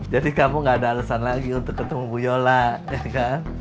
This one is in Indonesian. jadi kamu nggak ada alasan lagi untuk ketemu bu yola ya kan